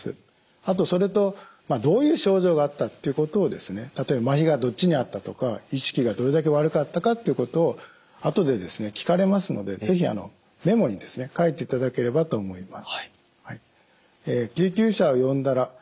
あとそれとどういう症状があったということを例えばまひがどっちにあったとか意識がどれだけ悪かったかということを後で聞かれますので是非メモに書いていただければと思います。